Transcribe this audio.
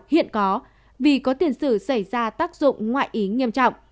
hiện có vì có tiền sử xảy ra tác dụng ngoại ý nghiêm trọng